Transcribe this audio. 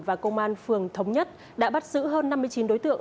và công an phường thống nhất đã bắt giữ hơn năm mươi chín đối tượng